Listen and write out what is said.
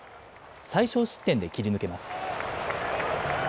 最少失点で切り抜けます。